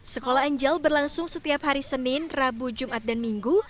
sekolah angel berlangsung setiap hari senin rabu jumat dan minggu